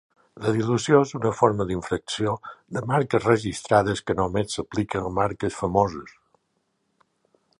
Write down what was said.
La dilució és una forma d'infracció de marques registrades que només s'aplica a marques famoses.